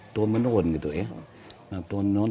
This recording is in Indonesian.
tur menurun gitu ya nah tur menurun